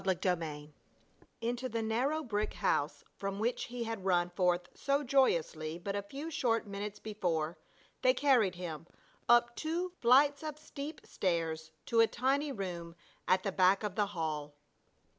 CHAPTER VI Into the narrow brick house from which he had run forth so joyously but a few short minutes before, they carried him, up two flights of steep stairs to a tiny room at the back of the hall.